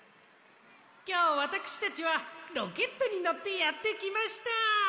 きょうわたくしたちはロケットにのってやってきました！